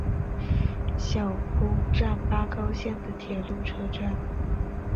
小宫站八高线的铁路车站。